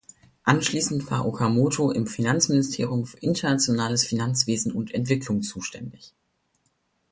Anschließend war Okamoto im Finanzministerium für internationales Finanzwesen und Entwicklung zuständig.